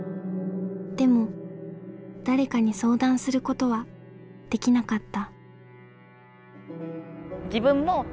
でも誰かに相談することはできなかった。